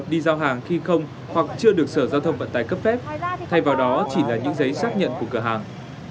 đi giao hàng này có được sự cấp phép của sở giao thông hà nội trong cái chuyện là mình đi giao hàng không